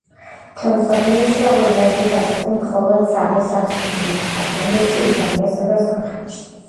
მთელს მსოფლიოში ღვინოების ასეთი მხოლოდ სამი საწყობი იყო: საფრანგეთში, იტალიასა და სომხეთში.